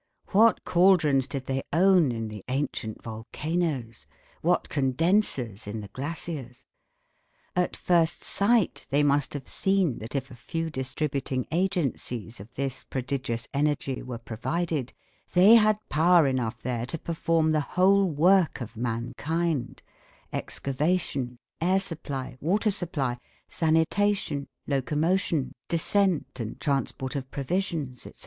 What caldrons did they own in the ancient volcanoes! What condensers in the glaciers! At first sight they must have seen that if a few distributing agencies of this prodigious energy were provided, they had power enough there to perform the whole work of mankind excavation, air supply, water supply, sanitation, locomotion, descent and transport of provisions, etc.